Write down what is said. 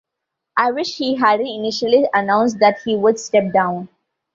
I wish he hadn't initially announced that he would step down.